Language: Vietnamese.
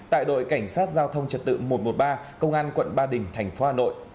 tại đội cảnh sát giao thông trật tự một trăm một mươi ba công an quận ba đình thành phố hà nội